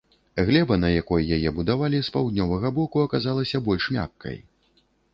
Глеба, на якой яе будавалі, з паўднёвага боку аказалася больш мяккай.